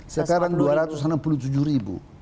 sekarang dua ratus enam puluh tujuh ribu